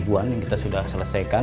di tiga an yang kita sudah selesaikan